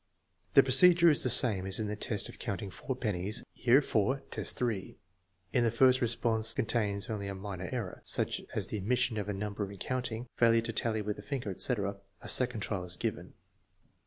The procedure is the same as in the test of counting four pennies (year IV, test 3). If the first response contains only a minor error, such as the omission of a number in coijpting, failure to tally with the finger, etc., a second trial is given.